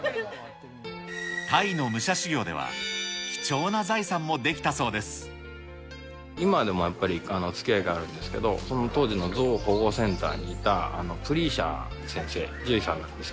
タイの武者修行では、今でもやっぱり、つきあいがあるんですけど、当時の象保護センターにいたプリーシャー先生、獣医さんなんです